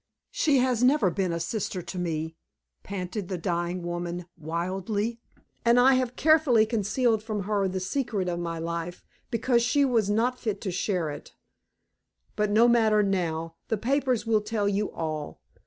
"She has never been a sister to me," panted the dying woman, wildly; "and I have carefully concealed from her the secret of my life, because she was not fit to share it. But no matter now; the papers will tell you all.